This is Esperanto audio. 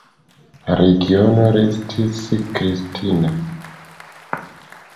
La regiono restis kristana.